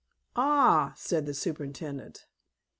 "Ah," said the superintendent.